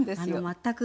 全く。